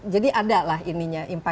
jadi ada lah ini nya